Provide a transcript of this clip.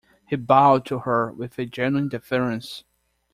He bowed to her with a genuine deference.